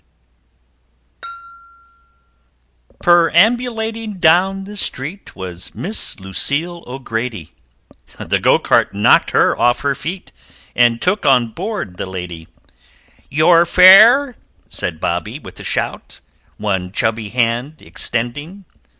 Perambulating down the street Was Miss Lucile O'Grady The Go cart knocked her off her feet And took on board the Lady "Your fare!" said Bobby, with a shout, One chubby hand extending.